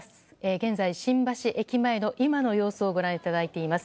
現在、新橋駅前の今の様子をご覧いただいています。